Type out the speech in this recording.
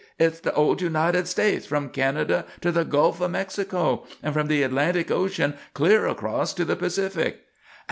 Hit's the old United States, from Canada to the Gulf of Mexico, and from the Atlantic Ocean clear across to the Pacific."